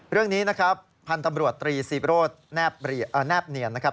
เรื่องนี้นะครับพันธุ์ตำรวจตรีซีโรธแนบเนียนนะครับ